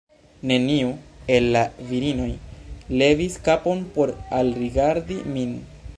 Neniu el la virinoj levis kapon por alrigardi min.